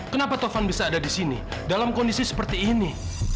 kenapa tovan bisa ada di sini dalam kondisi seperti ini